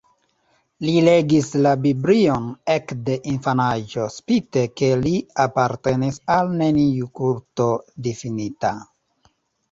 Li legis la Biblion ekde infanaĝo spite ke li apartenis al neniu kulto difinita.